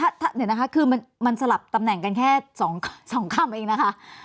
เดี๋ยวนะคะคือมันสลับตำแหน่งกันแค่๒คำเองนะคะ